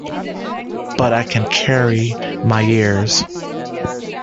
But I can carry my years.